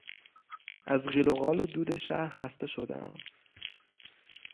از قیل و قال و دود شهر خسته شدهام.